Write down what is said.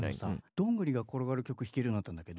どんぐりが転がる曲弾けるようになったんだけど。